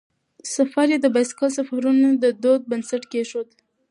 سفر یې د بایسکل سفرونو د دود بنسټ کیښود.